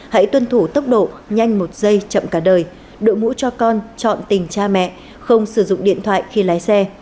hãy tuân thủ tốc độ nhanh một giây chậm cả đời đội mũ cho con chọn tình cha mẹ không sử dụng điện thoại khi lái xe